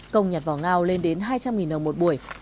công nhặt vỏ ngao lên đến hai trăm linh đồng một buổi